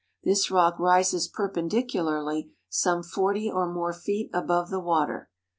This rock rises perpendicularly some forty or more feet above the water.